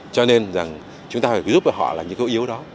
cho nên rằng chúng ta phải giúp cho họ là những câu yếu đó